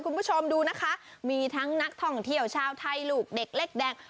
คุณผู้ชมดูนะคะมีทั้งนักท่องเที่ยวชาวไทยลูกเด็กเล็กแดง